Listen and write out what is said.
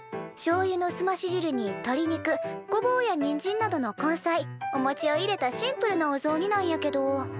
しょうゆのすまし汁にとり肉ごぼうやにんじんなどの根菜おもちを入れたシンプルなおぞうになんやけど。